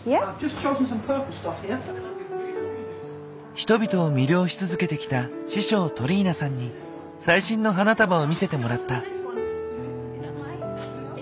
人々を魅了し続けてきた師匠トリーナさんに最新の花束を見せてもらった。